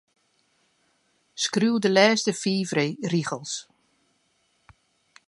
Skriuw de lêste fiif rigels.